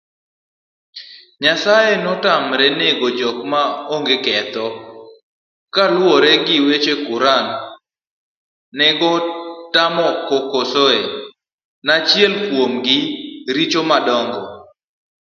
Nyasaye notamre nego jok ma onge ketho kaluwowechequran, negong'atomaokokosoenachielkuomrichomadongo